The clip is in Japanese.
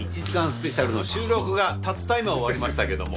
スペシャルの収録がたった今終わりましたけども。